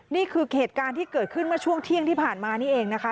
นี่คือเหตุการณ์ที่เกิดขึ้นเมื่อช่วงเที่ยงที่ผ่านมานี่เองนะคะ